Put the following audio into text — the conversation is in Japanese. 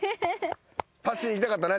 パシーンいきたかったな。